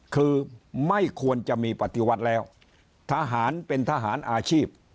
คือไม่ควรจะมีปฏิวัติแล้วทหารเป็นทหารอาชีพ